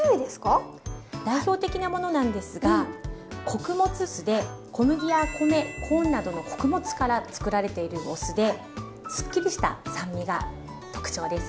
代表的なものなんですが穀物酢で小麦や米コーンなどの穀物からつくられているお酢ですっきりした酸味が特徴です。